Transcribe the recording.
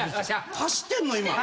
走ってんの。